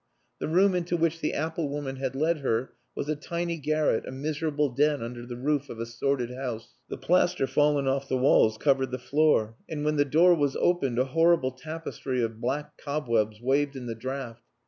The room into which the apple woman had led her was a tiny garret, a miserable den under the roof of a sordid house. The plaster fallen off the walls covered the floor, and when the door was opened a horrible tapestry of black cobwebs waved in the draught.